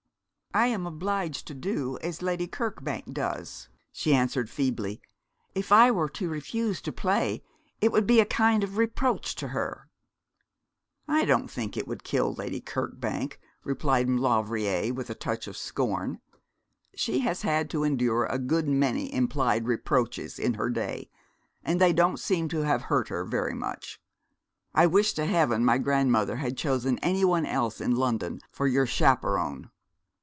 'I am obliged to do as Lady Kirkbank does,' she answered feebly. 'If I were to refuse to play it would be a kind of reproach to her.' 'I don't think that would kill Lady Kirkbank,' replied Maulevrier, with a touch of scorn. 'She has had to endure a good many implied reproaches in her day, and they don't seem to have hurt her very much. I wish to heaven my grandmother had chosen any one else in London for your chaperon.'